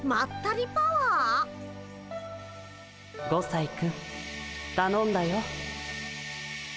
５さいくんたのんだよ。